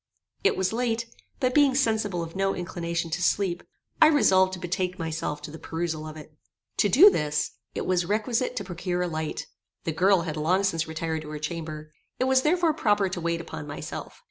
It was late; but being sensible of no inclination to sleep, I resolved to betake myself to the perusal of it. To do this it was requisite to procure a light. The girl had long since retired to her chamber: it was therefore proper to wait upon myself.